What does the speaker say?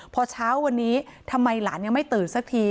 พอเช้าวันนี้ทำไมหลานยังไม่ตื่นสักที